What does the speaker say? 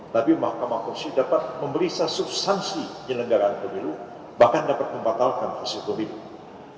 tapi mahkamah konstitusi dapat memeriksa substansi penyelenggaraan pemilu bahkan dapat membatalkan hasil pemilu